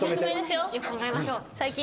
よく考えましょう。